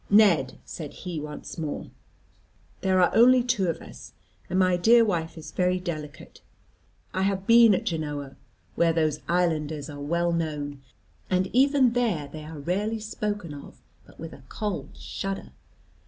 "Ned," said he once more, "there are only two of us, and my dear wife is very delicate. I have been at Genoa, where those islanders are well known, and even there they are rarely spoken of but with a cold shudder.